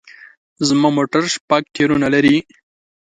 زما موټر شپږ ټیرونه لري